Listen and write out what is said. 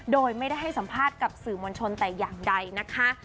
โดยไม่ได้ให้สัมภาษณ์กับสื่อมวลชนแต่อย่างใดนะคะ